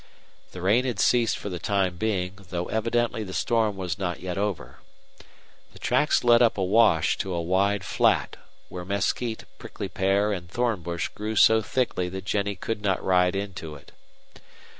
The rain had ceased for the time being, though evidently the storm was not yet over. The tracks led up a wash to a wide flat where mesquite, prickly pear, and thorn bush grew so thickly that Jennie could not ride into it.